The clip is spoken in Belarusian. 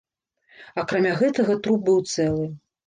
Акрамя гэтага труп быў цэлы.